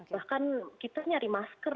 bahkan kita nyari masker